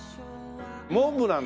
モンブラン。